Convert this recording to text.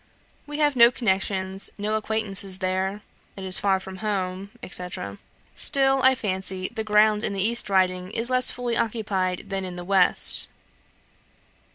We have no connections, no acquaintances there; it is far from home, &c. Still, I fancy the ground in the East Riding is less fully occupied than in the West.